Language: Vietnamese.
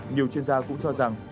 nhiều chuyên gia cũng cho rằng